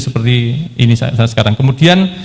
seperti ini saat saat sekarang kemudian